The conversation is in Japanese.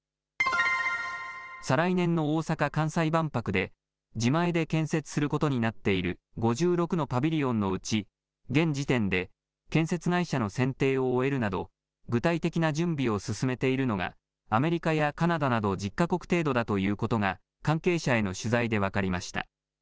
再来年の大阪・関西万博で自前で建設することになっている５６のパビリオンのうち、現時点で建設会社の選定を終えるなど、具体的な準備を進めているのが、アメリカやカナダなど１０か国程度だということが関係者への取材で分かりました。